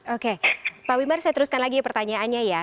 oke pak wimar saya teruskan lagi pertanyaannya ya